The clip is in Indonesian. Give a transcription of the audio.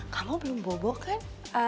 kamu belum bobo kan